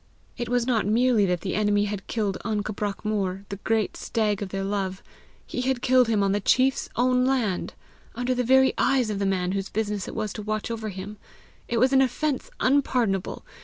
It was not merely that the enemy had killed an cabrach mor, the great stag of their love; he had killed him on the chief's own land! under the very eyes of the man whose business it was to watch over him! It was an offence unpardonable!